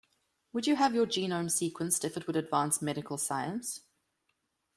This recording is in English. Would you have your genome sequenced if it would advance medical science?